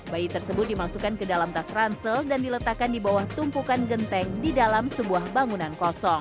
bayi tersebut dimasukkan ke dalam tas ransel dan diletakkan di bawah tumpukan genteng di dalam sebuah bangunan kosong